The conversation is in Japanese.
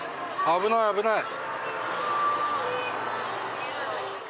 危ない危ない。